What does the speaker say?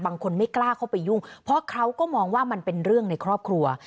ไม่กล้าเข้าไปยุ่งเพราะเขาก็มองว่ามันเป็นเรื่องในครอบครัว